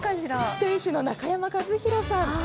店主の中山和弘さん。